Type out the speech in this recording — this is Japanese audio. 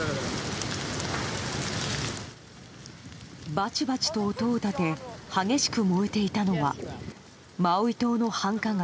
バチバチと音を立て激しく燃えていたのはマウイ島の繁華街